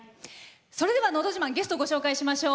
それでは「のど自慢」ゲストをご紹介いたしましょう。